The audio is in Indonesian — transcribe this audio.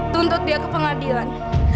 tuntut dia ke pengadilan